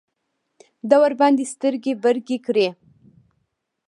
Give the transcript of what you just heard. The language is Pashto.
ده ورباندې سترګې برګې کړې.